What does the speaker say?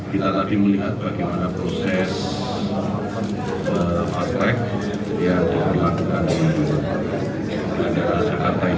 kita tadi melihat bagaimana proses fast track yang dilakukan di bandara soekarno hatta ini